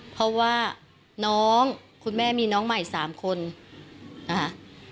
เพราะว่าน้องคุณแม่มีน้องใหม่๓คนนะคะ